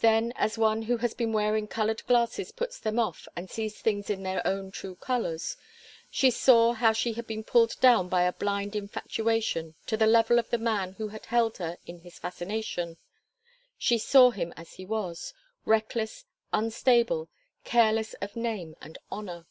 Then, as one who has been wearing coloured glasses puts them off and sees things in their own true colours, she saw how she had been pulled down by a blind infatuation to the level of the man who had held her in his fascination; she saw him as he was reckless, unstable, careless of name and honour.